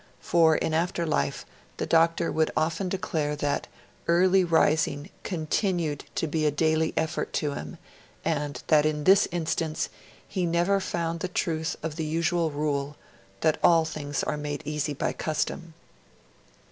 For in afterlife, the Doctor would often declare 'that early rising continued to be a daily effort to him and that in this instance he never found the truth of the usual rule that all things are made easy by custom.